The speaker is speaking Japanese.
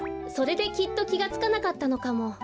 それできっときがつかなかったのかも。